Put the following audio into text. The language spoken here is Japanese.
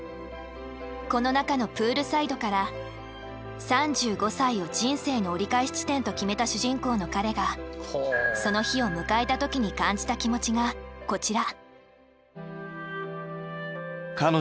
この中の「プールサイド」から３５歳を人生の折り返し地点と決めた主人公の彼がその日を迎えた時に感じた気持ちがこちら。